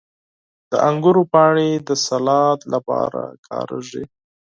• د انګورو پاڼې د سالاد لپاره کارېږي.